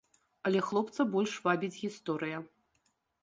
Але хлопца больш вабіць гісторыя.